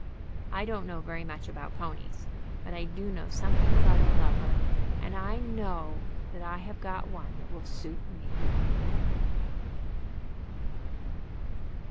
I don't know very much about ponies, but I do know something about a lover, and I know that I have got one that will suit me."